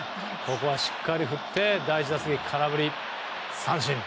ここはしっかり振って第１打席空振り三振。